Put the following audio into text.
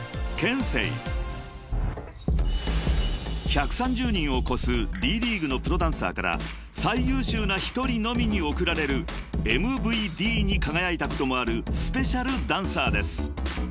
［１３０人を超すＤ．ＬＥＡＧＵＥのプロダンサーから最優秀な１人のみに贈られるＭＶＤに輝いたこともあるスペシャルダンサーです］